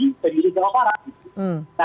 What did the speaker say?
di pendiri jawa barat